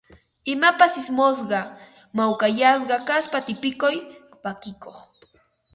Imapas ismusqa, mawkayasqa kaspa tipikuq, pakikuq